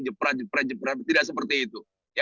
jeprah jeprah jeprah tidak seperti itu